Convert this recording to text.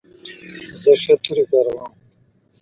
زه ښه توري کاروم.